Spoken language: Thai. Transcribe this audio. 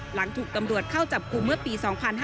หลังถูกตำรวจเข้าจับกลุ่มเมื่อปี๒๕๕๙